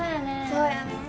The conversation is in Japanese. そうやね。